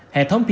hệ thống p j